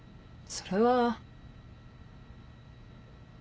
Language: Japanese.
それは。